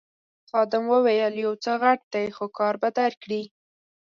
خادم وویل یو څه غټ دی خو کار به درکړي.